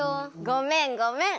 ごめんごめん。